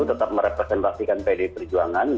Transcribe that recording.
tetap merepresentasikan pdpj